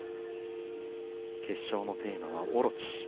決勝のテーマは「大蛇オロチ」。